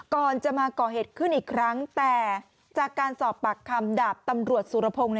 ก่อนจะมาก่อเหตุขึ้นอีกครั้งแต่จากการสอบปากคำดาบตำรวจสุรพงศ์